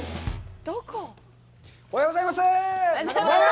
おはようございます。